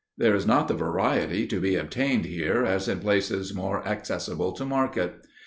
There is not the variety to be obtained here as in places more accessible to market.